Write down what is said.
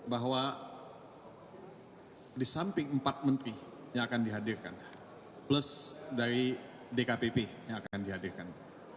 bahwa di samping empat menteri yang akan dihadirkan plus dari dkpp yang akan dihadirkan